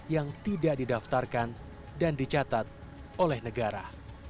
yang tidak didaftarkan dan dicatat oleh negara